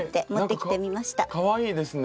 かわいいですね。